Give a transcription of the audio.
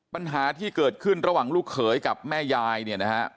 ปัญหาที่เกิดขึ้นระหว่างลูกเขยกับแม่ยายเนี่ยนะฮะ